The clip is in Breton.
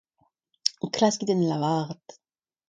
Klaskit en lavaret.